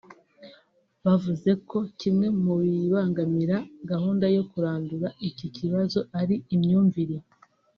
yavuze ko kimwe mu bibangamira gahunda yo kurandura iki kibazo ari imyumvire